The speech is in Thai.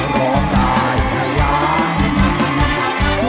ร้องได้ให้ล้าน